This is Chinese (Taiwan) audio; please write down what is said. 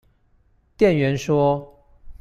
店員說